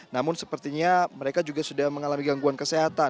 namun sepertinya mereka juga sudah mengalami gangguan kesehatan